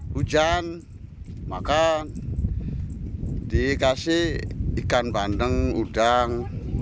hujan maka dikasih ikan bandeng udang